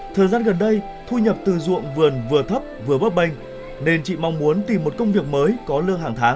thời gian gần đây thu nhập từ ruộng vườn vừa thấp vừa bấp bênh nên chị mong muốn tìm một công việc mới có lương hàng tháng